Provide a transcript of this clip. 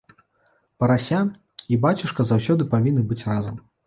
Парася і бацюшка заўсёды павінны быць разам.